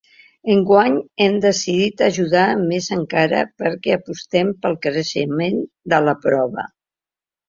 Enguany hem decidit ajudar més encara perquè apostem pel creixement de la prova.